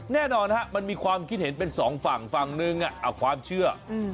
แน่นอนมันมีความคิดเห็นเป็นสองฝั่งฝั่งหนึ่งความเชื่อ